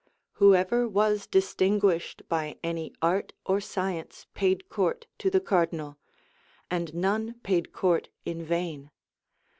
Whoever was distinguished by any art or science paid court to the cardinal; and none paid court in vain.